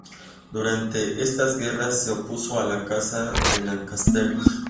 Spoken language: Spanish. Durante estas guerras se opuso a la Casa de Lancaster.